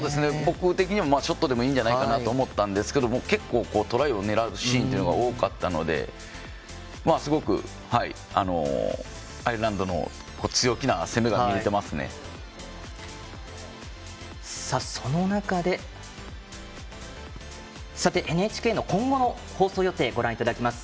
僕的にはショットでもいいんじゃないかなと思ったんですが結構、トライを狙うシーンが多かったのですごくアイルランドのＮＨＫの今後の放送予定ご覧いただきます。